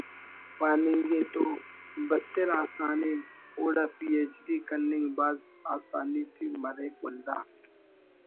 پاننگے‘ تو بتر آسان ءِ اوڑا پی ایچ ڈی کننگ بھاز آسانی ٹی مریک ولدا